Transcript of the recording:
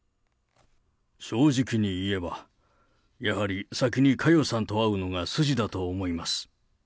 正直に言えば、やはり先に佳代さんと会うのが筋だと思います。